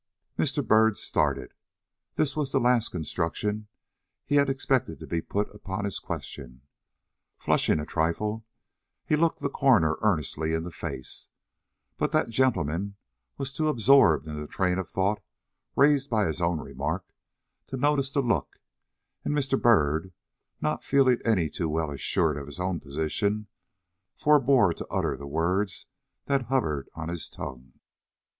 Mr. Byrd started. This was the last construction he had expected to be put upon his question. Flushing a trifle, he looked the coroner earnestly in the face. But that gentleman was too absorbed in the train of thought raised by his own remark to notice the look, and Mr. Byrd, not feeling any too well assured of his own position, forbore to utter the words that hovered on his tongue.